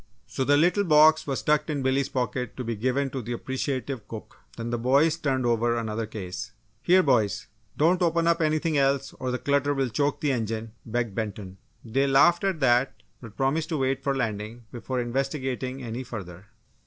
So the little box was tucked in Billy's pocket to be given to the appreciative cook. Then the boys turned over another case. "Here boys! don't open up anything else, or the clutter will choke the engine!" begged Benton. They laughed at that but promised to wait for landing before investigating any further.